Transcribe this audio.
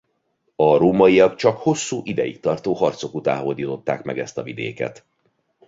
A rómaiak csak hosszú ideig tartó harcok után hódították meg ezt a vidéket.